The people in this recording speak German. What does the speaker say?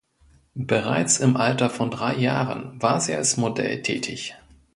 Bereits im Alter von drei Jahren war sie als Model tätig.